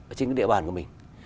những địa bàn của mình